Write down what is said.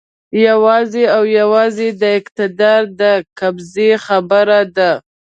یوازې او یوازې د اقتدار د قبضې خبره ده.